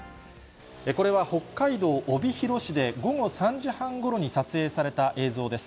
これは北海道帯広市で午後３時半ごろに撮影された映像です。